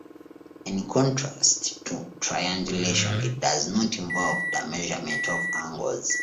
In contrast to triangulation, it does not involve the measurement of angles.